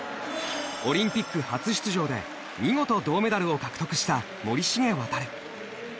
オリンピック初出場で、見事銅メダルを獲得した森重航。